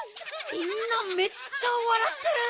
みんなめっちゃわらってる。